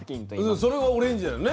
それはオレンジだよね。